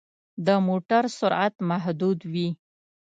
د موټر سرعت محدود وي.